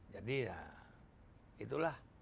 jadi ya itulah